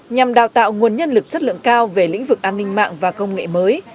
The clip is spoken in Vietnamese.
nhằm đào tạo nguồn nhân lực chất lượng cao về lĩnh vực an ninh mạng và công nghệ mới